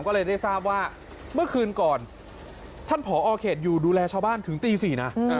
ก็เลยได้ทราบว่าเมื่อคืนก่อนท่านผอเขตอยู่ดูแลชาวบ้านถึงตี๔นะ